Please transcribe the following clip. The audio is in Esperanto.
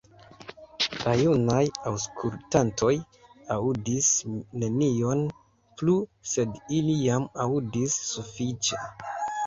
La junaj aŭskultantoj aŭdis nenion plu, sed ili jam aŭdis sufiĉe.